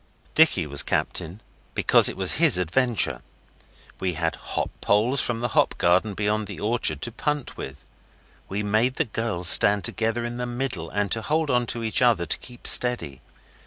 Dicky was captain, because it was his adventure. We had hop poles from the hop garden beyond the orchard to punt with. We made the girls stand together in the middle and hold on to each other to keep steady.